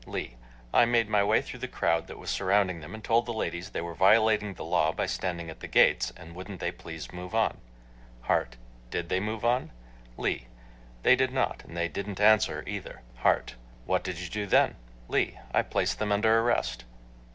LEE: I made my way through the crowd that was surrounding them and told the ladies they were violating the law by standing at the gates, and wouldn't they please move on? HART: Did they move on? LEE: They did not; and they didn't answer either. HART: What did you do then? LEE: I placed them under arrest.